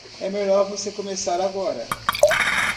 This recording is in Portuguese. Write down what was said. É melhor você começar agora.